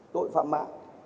tội phạm mạng